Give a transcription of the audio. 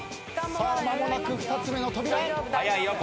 間もなく２つ目の扉へ。